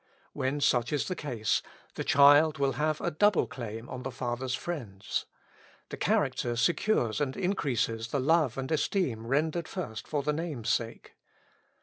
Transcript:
When such is the case, the child will have a double claim on the father's friends: the character secures and increases the love and esteem rendered first for the name's sake.